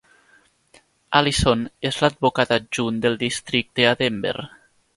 Alison és l'advocat adjunt del districte a Denver.